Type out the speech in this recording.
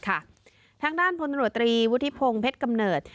ทางด้านธนโรตีวุฒิพงศ์เพศกำเนิด